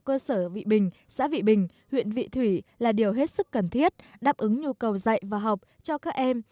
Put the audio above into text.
trường trung học cơ sở vị bình xã vị bình huyện vị thủy là điều hết sức cần thiết đáp ứng nhu cầu dạy và học cho các em